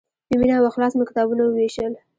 په مینه او اخلاص مې کتابونه ووېشل.